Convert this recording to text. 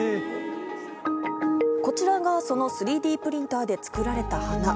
こちらが３Ｄプリンターで作られた鼻。